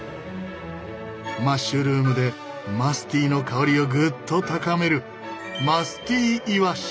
マッシュルームでマスティーの香りをぐっと高めるマスティーイワシ！